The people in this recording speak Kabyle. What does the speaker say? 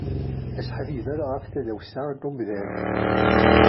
Aseḥbiber ɣef tdawsa n umdan.